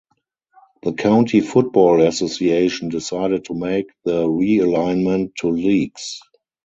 The County Football Association decided to make the realignment to leagues.